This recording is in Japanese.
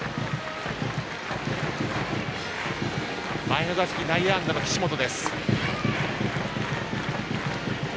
前の打席、内野安打の岸本。